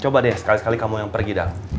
coba deh sekali kali kamu yang pergi